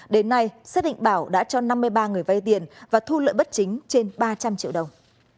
đến nay xác định bảo đã cho năm mươi ba người vay tiền và thu lợi bất chính trên ba trăm linh triệu đồng